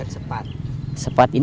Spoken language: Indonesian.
press temu dalam pelanggan